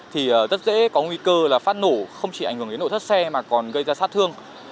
thì rất dễ có nguy cơ là phát nổ không chỉ ảnh hưởng đến nổ thất xe mà còn gây ra sát thương